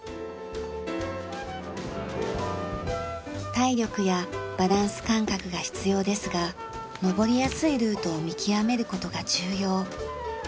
体力やバランス感覚が必要ですが登りやすいルートを見極める事が重要。